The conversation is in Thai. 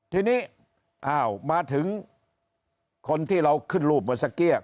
ทีนี้มาถึงคนที่เราขึ้นรูปมาสักเกี๊ยว